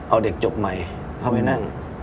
เอาเด็กจบใหม่เข้าไปนั่ง